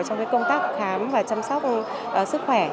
trong công tác khám và chăm sóc sức khỏe